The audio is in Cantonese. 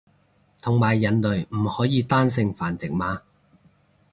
同埋人類唔可以單性繁殖嘛